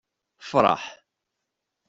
Fṛeḥ!